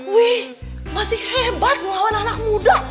wih masih hebat melawan anak muda